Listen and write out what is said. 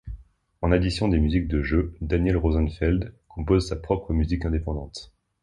En addition des musiques de jeu, Daniel Rosenfeld compose sa propre musique indépendante.